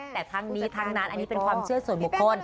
แต่ทั้งนี้ทั้งนั้นอันนี้เป็นความเชื่อส่วนบุคคล